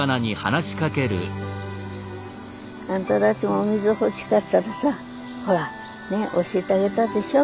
あんたたちもお水欲しかったらさほらね教えてあげたでしょ。